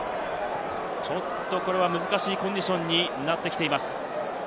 ちょっと、これは難しいコンディションになってきています。